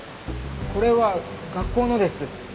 これは学校のです。